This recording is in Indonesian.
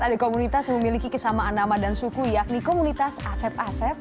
ada komunitas yang memiliki kesamaan nama dan suku yakni komunitas asep asep